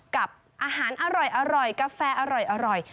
กับอาหารอร่อยกาแฟอร่อย